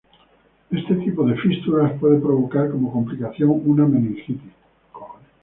Este tipo de fístulas puede provocar como complicación una meningitis.